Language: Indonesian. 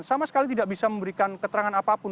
sama sekali tidak bisa memberikan keterangan apapun